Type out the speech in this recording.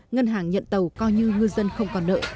ngân hàng nhận tàu coi như ngư dân không còn nợ